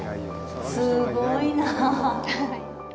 すごいなぁ。